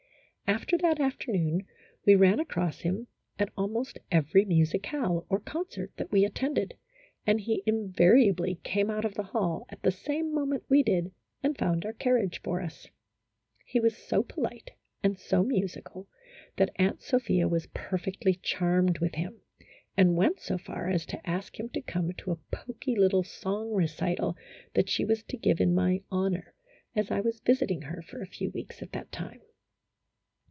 After that afternoon, we ran across him at almost every musicale or concert that we attended, and he invariably came out of the hall the same moment we did, and found our carriage for us. He was so polite and so musical that Aunt Sophia was per fectly charmed with him, and went so far as to ask him to come to a poky little song recital that she was to give in my honor, as I was visiting her for a few weeks at that time.